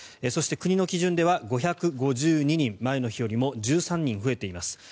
そして国の基準では５５２人前の日よりも１３人増えています